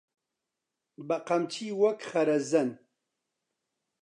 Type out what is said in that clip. بەقەمچی وەک خەرەزەن